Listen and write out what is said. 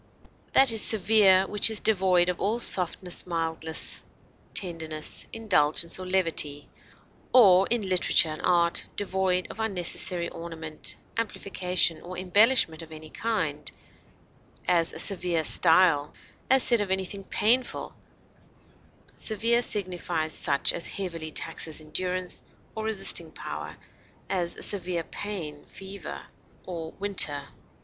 That is severe which is devoid of all softness, mildness, tenderness, indulgence or levity, or (in literature and art) devoid of unnecessary ornament, amplification, or embellishment of any kind; as, a severe style; as said of anything painful, severe signifies such as heavily taxes endurance or resisting power; as, a severe pain, fever, or winter.